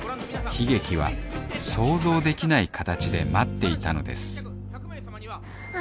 悲劇は想像できない形で待っていたのですあ